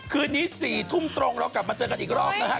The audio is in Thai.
คืนนี้๔ทุ่มตรงเรากลับมาเจอกันอีกรอบนะฮะ